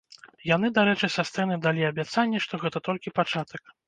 Яны, дарэчы, са сцэны далі абяцанне, што гэта толькі пачатак.